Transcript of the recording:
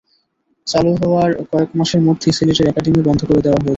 চালু হওয়ার কয়েক মাসের মধ্যেই সিলেটের একাডেমি বন্ধ করে দেওয়া হয়েছে।